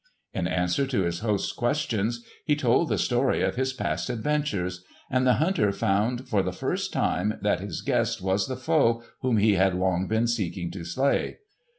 In answer to his host's questions, he told the story of his past adventures; and the hunter found, for the first time, that his guest was the foe whom he had long been seeking to slay.